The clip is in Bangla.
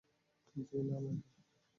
জি না ম্যাডাম!